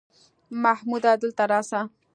محموده دلته راسه!